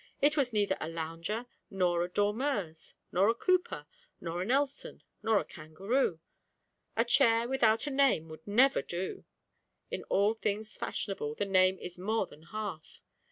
It was neither a lounger, nor a dormeuse, nor a Cooper, nor a Nelson, nor a kangaroo: a chair without a name would never do; in all things fashionable the name is more than half.